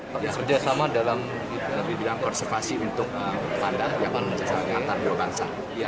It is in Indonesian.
kerjasama dalam konservasi untuk panda yang akan menjajarkan antar dua bangsa